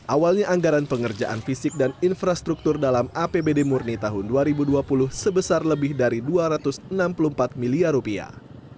awalnya anggaran pengerjaan fisik dan infrastruktur dalam apbd murni tahun dua ribu dua puluh sebesar lebih dari dua ratus enam puluh empat miliar rupiah